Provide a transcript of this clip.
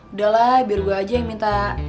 udah lah biar gue aja yang minta